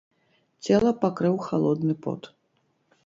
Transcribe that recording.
Цела пакрыў халодны пот.